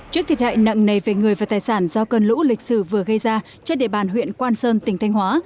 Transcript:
trước thiệt hại nặng nề về người và tài sản do cơn lũ lịch sử vừa gây ra trên địa bàn huyện quang sơn tỉnh thanh hóa